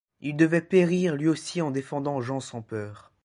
Il devait périr lui aussi en défendant Jean sans Peur.